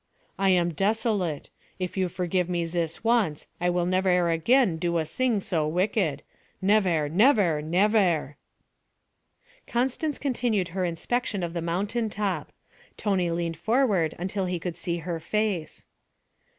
'I am desolate. If you forgive me zis once I will nevair again do a sing so wicked. Nevair, nevair, nevair.' Constance continued her inspection of the mountain top. Tony leaned forward until he could see her face.